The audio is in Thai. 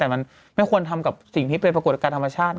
แต่มันไม่ควรทำกับสิ่งที่เป็นปรากฏการณ์ธรรมชาติ